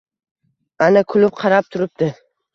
Ana kulib qarab turibdi